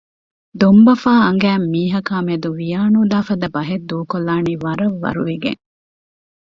ދޮންބަފާ އަނގައިން މީހަކާ މެދު ވިޔާނުދާ ފަދަ ބަހެއް ދޫކޮށްލާނީ ވަރަށް ވަރުވެގެން